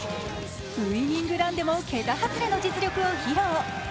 ウイニングランでも桁外れの実力を披露。